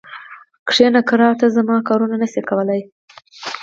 کښینه کرار! ته زما کارونه نه سې کولای.